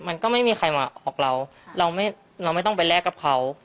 มันก็ไม่มีใครมาออกเราเราไม่เราไม่ต้องไปแลกกับเขา